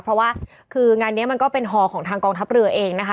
เพราะว่าคืองานนี้มันก็เป็นฮอของทางกองทัพเรือเองนะคะ